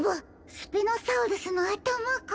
スピノサウルスのあたまか。